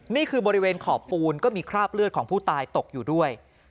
นี่คือบริเวณขอบปูนก็มีคราบเลือดของผู้ตายตกอยู่ด้วย